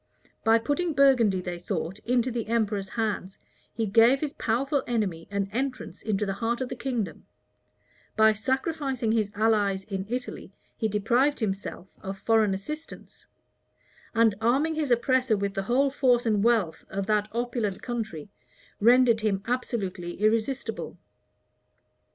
By putting Burgundy, they thought, into the emperor's hands, he gave his powerful enemy an entrance into the heart of the kingdom: by sacrificing his allies in Italy, he deprived himself of foreign assistance; and, arming his oppressor with the whole force and wealth of that opulent country, rendered him absolutely irresistible.